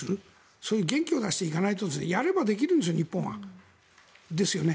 そういう元気を出していかないとやればできるんです、日本は。ですよね？